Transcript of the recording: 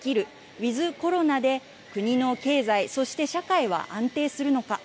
・ウィズコロナで国の経済、そして社会は安定するのか。